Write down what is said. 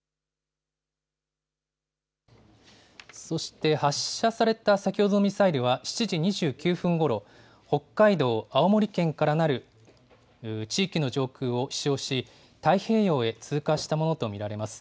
そして、発射された先ほどのミサイルは、７時２９分ごろ、北海道、青森県からなる地域の上空を飛しょうし、太平洋へ通過したものと見られます。